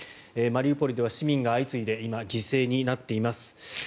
マリウポリでは市民が相次いで今、犠牲になっています。